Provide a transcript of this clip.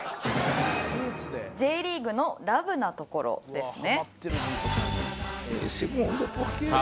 「ＪリーグのＬＯＶＥなところ」ですね。